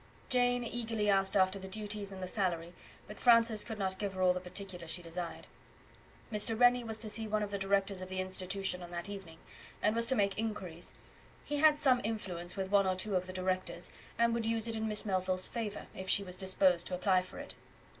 Jane eagerly asked after the duties and the salary, but Francis could not give her all the particulars she desired. Mr. Rennie was to see one of the Directors of the Institution on that evening, and was to make inquiries; he had some influence with one or two of the directors, and would use it in Miss Melville's favour if she was disposed to apply for it.